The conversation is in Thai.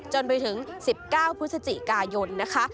จนไปถึง๑๙พุศจิกายน